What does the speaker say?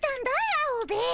アオベエ。